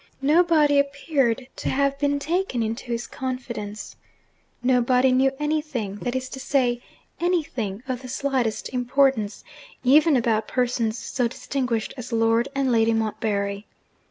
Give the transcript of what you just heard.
Nobody appeared to have been taken into his confidence. Nobody knew anything (that is to say, anything of the slightest importance) even about persons so distinguished as Lord and Lady Montbarry.